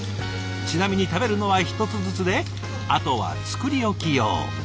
ちなみに食べるのは１つずつであとは作り置き用。